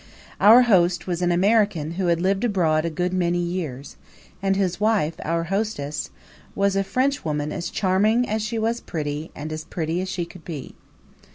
Our host was an American who had lived abroad a good many years; and his wife, our hostess, was a French woman as charming as she was pretty and as pretty as she could be.